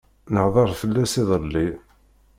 Nehder fell-as iḍelli.